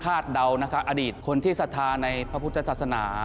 คาดเดานะคะอดีตคนที่สาธารณ์ในพระพุทธศาสนา